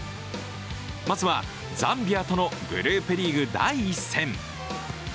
まずはザンビアとのグループリーグ第１戦。